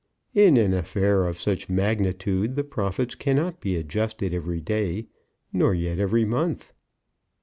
"In an affair of such magnitude the profits cannot be adjusted every day, nor yet every month."